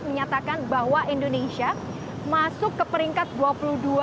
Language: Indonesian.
menyatakan bahwa indonesia masuk ke peringkat dua puluh dua negara paling macet di dunia